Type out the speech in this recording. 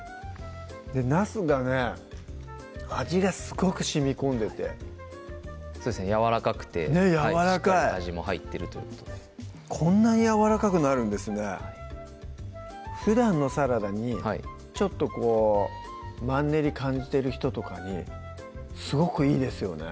なすがね味がすごくしみこんでてやわらかくてしっかり味も入ってるということでこんなにやわらかくなるんですねふだんのサラダにちょっとこうマンネリ感じてる人とかにすごくいいですよね